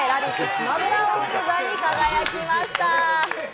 スマブラ王の座に輝きました。